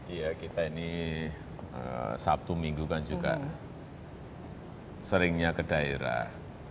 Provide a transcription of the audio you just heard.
iya kita ini sabtu minggu kan juga seringnya ke daerah